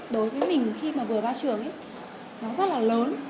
đối với mình khi mà vừa ra trường nó rất là lớn